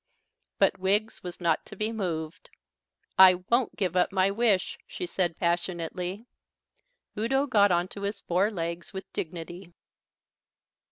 But Wiggs was not to be moved. "I won't give up my wish," she said passionately. Udo got on to his four legs with dignity.